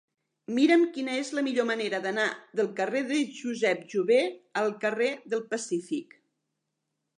Mira'm quina és la millor manera d'anar del carrer de Josep Jover al carrer del Pacífic.